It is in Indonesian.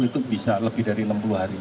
itu bisa lebih dari enam puluh hari